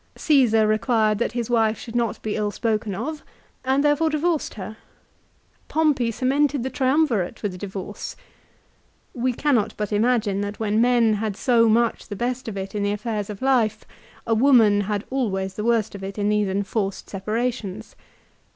Csesar required that his wife should not be ill spoken of, and therefore divorced her. Pompey cemented the Triumvirate with a divorce. We cannot but imagine that when men had so much the best of it in the affairs of life, a woman had always the worst of it in these enforced separations.